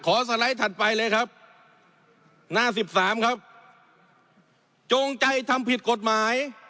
สไลด์ถัดไปเลยครับหน้าสิบสามครับจงใจทำผิดกฎหมาย